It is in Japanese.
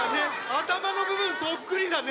頭の部分そっくりだね。